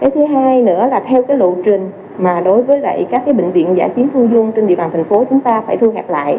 thứ hai nữa là theo lộ trình mà đối với các bệnh viện giả chiến khu dung trên địa bàn thành phố chúng ta phải thu hẹp lại